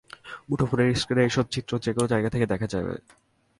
মুঠোফোনের স্ক্রিনে এসব চিত্র যেকোনো জায়গা থেকে দেখা যাবে।